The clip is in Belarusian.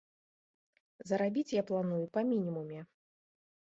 Зарабіць я планую па мінімуме.